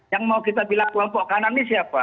yang mau kita bilang kelompok kanan ini siapa